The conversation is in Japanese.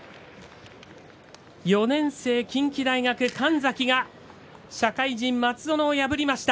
４年生近畿大学、神崎が社会人松園を破りました。